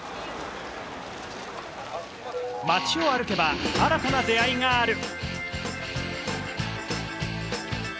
街を歩けば新たな出会いがある。